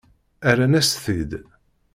Rran-as-t-id.